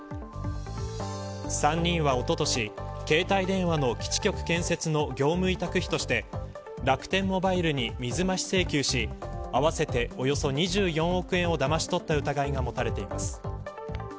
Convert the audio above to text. ３人は、おととし携帯電話の基地局建設の業務委託費として楽天モバイルに水増し請求し合わせて、およそ２４億円をだまし取った疑いが持たれています。